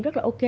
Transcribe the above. rất là ok